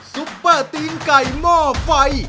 ซุปเปอร์ตีนไก่หม้อไฟ